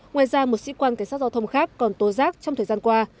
ngoài ra một sĩ quan cảnh sát giao thông khác còn tố giác trong thời gian qua